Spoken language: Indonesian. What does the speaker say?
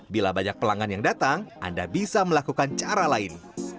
bila banyak pelanggan yang datang anda bisa melakukan cara lain